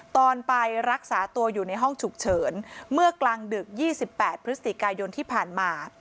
ตอนไปรักษาตัวอยู่ในห้องฉุกเฉินเมื่อกลางดึก๒๘พฤศจิกายนที่ผ่านมา